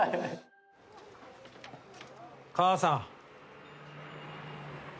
母さん。